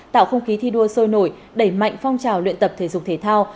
tạo không khí thi đua sôi nổi đẩy mạnh phong trào luyện tập thể dục thể thao